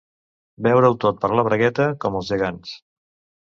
Veure-ho tot per la bragueta, com els gegants.